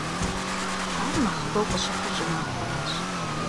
Ар нэхъыбэу къыщыхъур щӀымахуэращ.